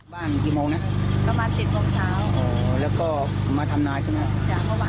พ่อที่พ่อมันอยู่ไหนก็ไม่รู้เห็นแต่รถครับ